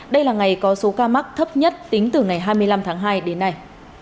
đây là ngày có số ca mắc thấp nhất tính từ ngày hai mươi năm tháng hai đến nay